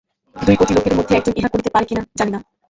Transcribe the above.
দুই কোটি লোকের মধ্যে একজন ইহা করিতে পারে কিনা, জানি না।